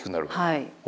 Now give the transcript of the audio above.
はい。